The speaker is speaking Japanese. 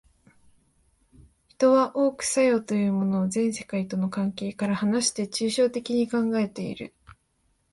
人は多く作用というものを全世界との関係から離して抽象的に考えている。